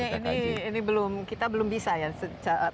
maksudnya ini belum kita belum bisa ya secara